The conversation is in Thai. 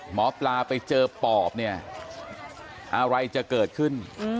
หมอปลาไปเจอปอบเนี่ยอะไรจะเกิดขึ้น